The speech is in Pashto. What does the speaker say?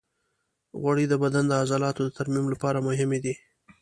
غوړې د بدن د عضلاتو د ترمیم لپاره هم مهمې دي.